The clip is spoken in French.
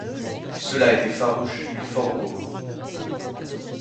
Cela était farouche et fort beau.